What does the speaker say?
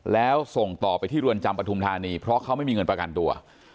แล้วส่งต่อไปที่เรือนจำปฐุมธานีเพราะเขาไม่มีเงินประกันตัว